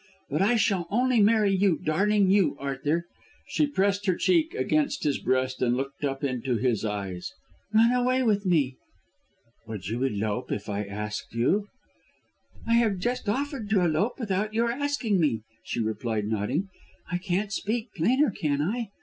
But I shall only marry you, darling, you. Arthur," she pressed her cheek against his breast and looked up into his eyes, "run away with me." "Would you elope if I asked you?" "I have just offered to elope without your asking me," she replied nodding. "I can't speak plainer, can I?